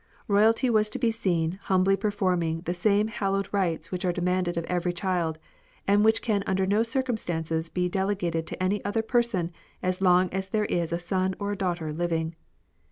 Eoyalty was to be seen humbly performing the same hallowed rites which are demanded of every child, and which can under no circumstances be dele gated to any other person as long as there is a son or a daughter living.